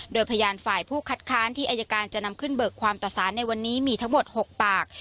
โดยพยานฝ่ายผู้คัดค้านที่อายการจะนำขึ้นเบิกความต่อสารในวันนี้มีทั้งหมด๖ปาก